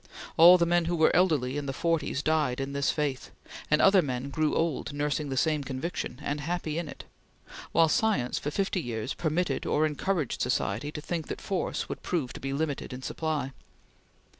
All the men who were elderly in the forties died in this faith, and other men grew old nursing the same conviction, and happy in it; while science, for fifty years, permitted, or encouraged, society to think that force would prove to be limited in supply.